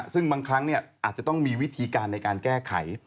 ซึ่งบางครั้งอาจจะต้องมีวิธีการในการแก้ไข